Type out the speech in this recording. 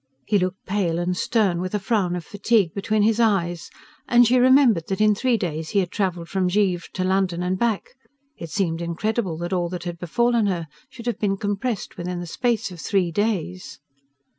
He looked pale and stern, with a frown of fatigue between his eyes; and she remembered that in three days he had travelled from Givre to London and back. It seemed incredible that all that had befallen her should have been compressed within the space of three days!